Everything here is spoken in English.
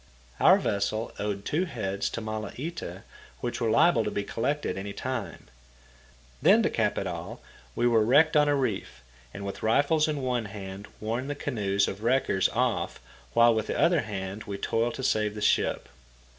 Our vessel owed two heads to Malaita, which were liable to be collected any time. Then to cap it all, we were wrecked on a reef, and with rifles in one hand warned the canoes of wreckers off while with the other hand we toiled to save the ship.